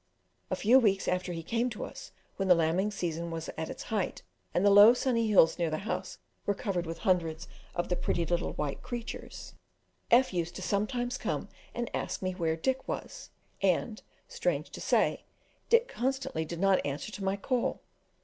A few weeks after he came to us, when the lambing season was at its height, and the low sunny hills near the house were covered with hundreds of the pretty little white creatures, F used sometimes to come and ask me where Dick was, and, strange to say, Dick constantly did not answer to my call.